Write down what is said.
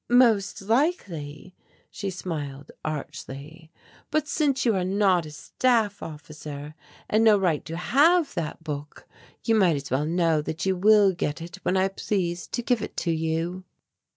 "Most likely," she smiled archly, "but since you are not a staff officer, and had no right to have that book, you might as well know that you will get it when I please to give it to you."